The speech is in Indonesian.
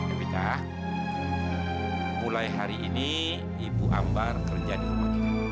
epitah mulai hari ini ibu ambar kerja di rumah kita